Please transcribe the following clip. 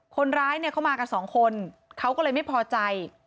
คนร้ายมันมากับสองคนเขาก็แทบไม่พอใจ